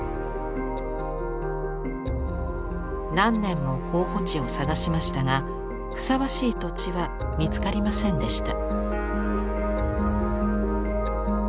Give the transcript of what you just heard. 何年も候補地を探しましたがふさわしい土地は見つかりませんでした。